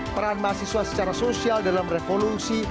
peran mahasiswa secara sosial dalam revolusi